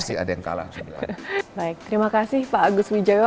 terima kasih pak agus wijoyo